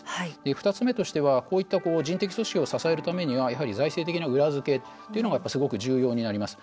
２つ目は、こういった人的組織を支えるためには財政的な裏付けっていうのがすごく重要になります。